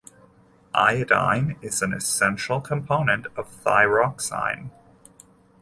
Iodine is an essential component of thyroxine.